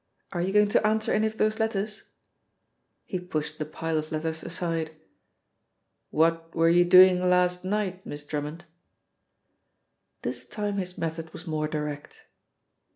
Are you going to answer any of those letters?" He pushed the pile of letters aside. "What were you doing last light, Miss Drummond?" This time his method was more direct.